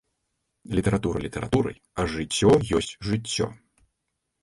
Літаратура літаратурай, а жыццё ёсць жыццё.